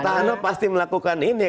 petahana pasti melakukan ini